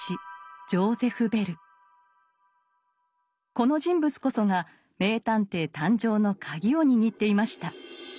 この人物こそが名探偵誕生のカギを握っていました。